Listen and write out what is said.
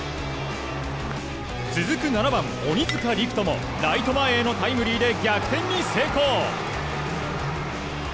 続く７番、鬼塚陸人もライト前へのタイムリーで逆転に成功。